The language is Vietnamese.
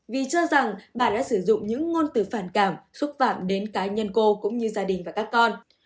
vì cho rằng bà đã sử dụng những ngôn từ phản cảm xúc phạm đến cá nhân cô cũng như gia đình và các con